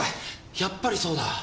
やっぱりそうだ！